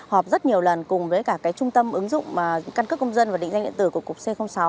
hợp rất nhiều lần cùng với cả trung tâm ứng dụng căn cước công dân và định danh điện tử của cục c sáu